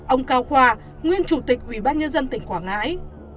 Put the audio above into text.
ông cao khoa nguyên chủ tịch ubnd tỉnh quảng ngãi